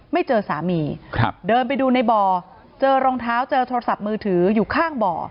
ไม่เจอสามีครับเดินไปดูในบ่อเจอรองเท้าเจอโทรศัพท์มือถืออยู่ข้างบ่อ